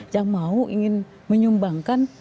yang mau ingin menyumbangkan